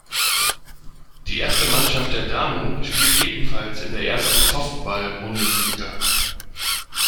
Die erste Mannschaft der Damen spielt ebenfalls in der ersten Softball-Bundesliga.